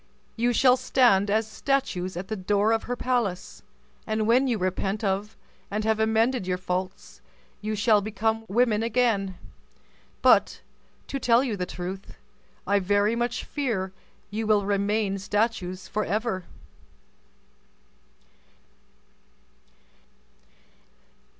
You shall stand as statues at the door of her palace, and when you repent of, and have amended your faults, you shall become women again. But, to tell you the truth, I very much fear you will remain statues forever."